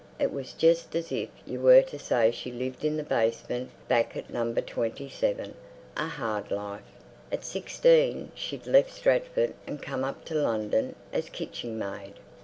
It was just as if you were to say she lived in the basement back at Number 27. A hard life!... At sixteen she'd left Stratford and come up to London as kitching maid.